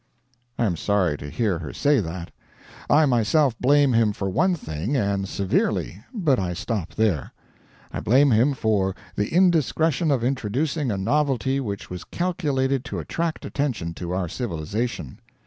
I am sorry to hear her say that. I myself blame him for one thing, and severely, but I stop there. I blame him for, the indiscretion of introducing a novelty which was calculated to attract attention to our civilization.